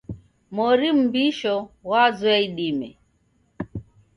Mori mmbisho ghwazoya idime.